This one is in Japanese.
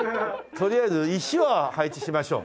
とりあえず石は配置しましょう。